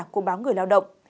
của báo người lao động